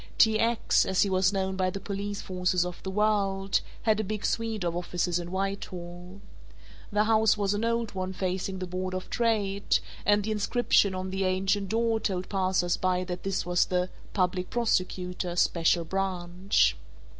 "T. X.," as he was known by the police forces of the world, had a big suite of offices in Whitehall. The house was an old one facing the Board of Trade and the inscription on the ancient door told passers by that this was the "Public Prosecutor, Special Branch."